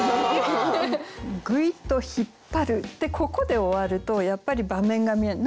「ぐいと引っ張る」ってここで終わるとやっぱり場面が見えない。